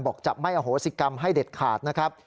จะไม่อโหสิกรรมให้เด็ดขาดนะครับ